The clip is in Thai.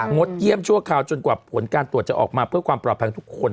ดเยี่ยมชั่วคราวจนกว่าผลการตรวจจะออกมาเพื่อความปลอดภัยทุกคน